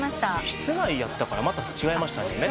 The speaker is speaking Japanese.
室内やったからまた違いましたね。